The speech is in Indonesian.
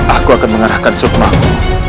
aku akan mengarahkan sukmaku